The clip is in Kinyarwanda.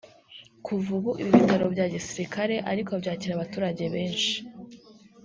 Kuva ubu ibi bitaro bya Gisirikare ariko byakira abaturage benshi